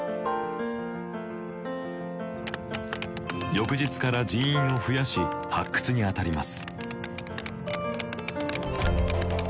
翌日から人員を増やし発掘に当たります。